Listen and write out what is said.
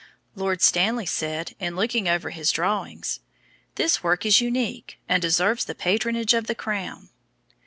Lord Stanley said in looking over his drawings: "This work is unique, and deserves the patronage of the Crown."